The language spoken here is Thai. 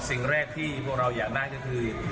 สิ่งแรกที่พวกเราอยากได้ก็คือ